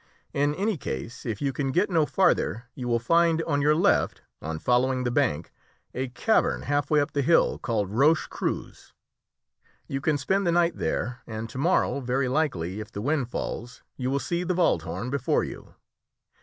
In any case, if you can get no farther, you will find on your left, on following the bank, a cavern half way up the hill, called Roche Creuse. You can spend the night there, and to morrow very likely, if the wind falls, you will see the Wald Horn before you.